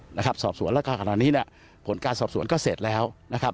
หลักการสอบสวนของการหันนี้ผลการสอบสวนก็เสร็จแล้ว